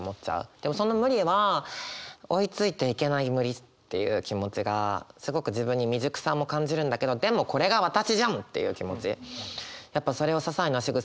でもその無理は追いついていけない無理っていう気持ちがすごく自分に未熟さも感じるんだけどでもこれが私じゃんっていう気持ち。